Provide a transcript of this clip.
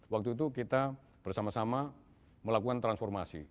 waktu itu kita bersama sama melakukan transformasi